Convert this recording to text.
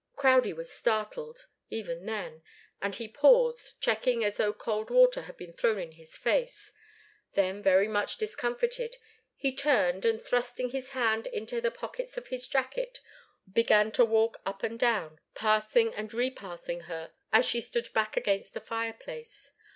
Crowdie was startled, even then, and he paused, checked as though cold water had been thrown in his face. Then, very much discomfited, he turned and, thrusting his hands into the pockets of his jacket, began to walk up and down, passing and repassing her as she stood back against the fireplace.